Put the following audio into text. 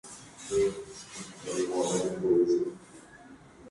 Se desconoce si ambas estrellas constituyen un verdadero sistema binario.